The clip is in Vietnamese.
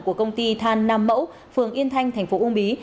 của công ty than nam mẫu phường yên thanh tp uông bí